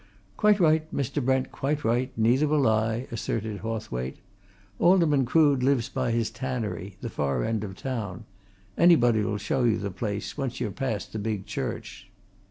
"Quite right, Mr. Brent, quite right! Neither will I," asserted Hawthwaite. "Alderman Crood lives by his tannery the far end of the town. Anybody'll show you the place, once you're past the big church."